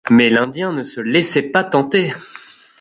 Mais l’Indien ne se laissait pas tenter.